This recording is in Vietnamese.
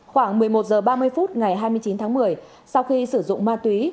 khoảng một mươi một h ba mươi phút ngày hai mươi chín tháng một mươi sau khi sử dụng ma túy